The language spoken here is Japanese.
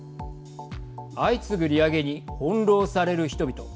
相次ぐ利上げに翻弄される人々。